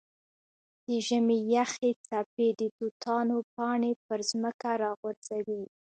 د ژمي یخې څپې د توتانو پاڼې پر ځمکه راغورځوي.